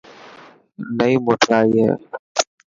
نئي موٽر آي هي.